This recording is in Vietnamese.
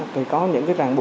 thì có những ràng